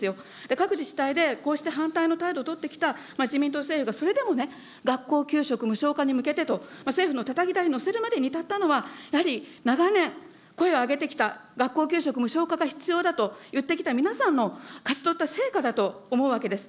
各自治体でこうして反対の態度を取ってきた自民党・政府が、学校給食無償化に向けてと、政府のたたき台にのせるまでに至ったのは、やはり長年、声を上げてきた学校給食無償化が必要だと言ってきた皆さんの勝ち取った成果だと思うわけです。